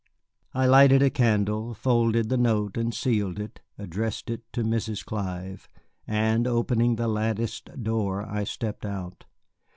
I lighted a candle, folded the note and sealed it, addressed it to Mrs. Clive, and opening the latticed door I stepped out.